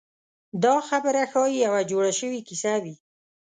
دا خبره ښایي یوه جوړه شوې کیسه وي.